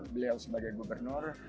beliau sebagai gubernur